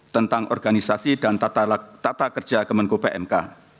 tentang organisasi dan tata kerja kemenko pmk